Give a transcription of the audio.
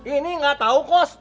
ini nggak tahu bos